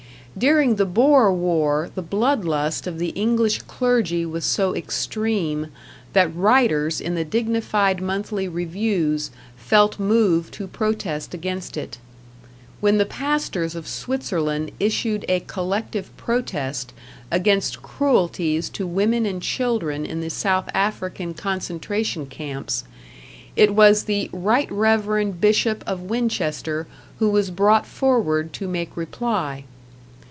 During the Boer war the blood lust of the English clergy was so extreme that writers in the dignified monthly reviews felt moved to protest against it. When the pastors of Switzerland issued a collective protest against cruelties to women and children in the South African concentration camps, it was the Right Reverend Bishop of Winchester who was brought forward to make reply.